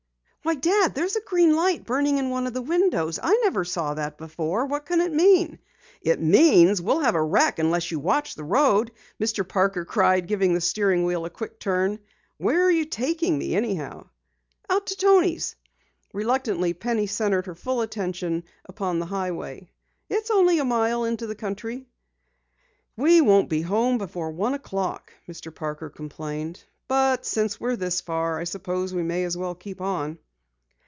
Why, Dad, there's a green light burning in one of the windows! I never saw that before. What can it mean?" "It means we'll have a wreck unless you watch the road!" Mr. Parker cried, giving the steering wheel a quick turn. "Where are you taking me anyhow?" "Out to Toni's." Reluctantly Penny centered her full attention upon the highway. "It's only a mile into the country." "We won't be home before one o'clock," Mr. Parker complained. "But since we're this far, I suppose we may as well keep on."